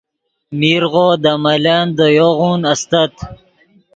میرغو دے ملن دے یوغون استت